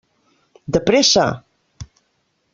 De pressa!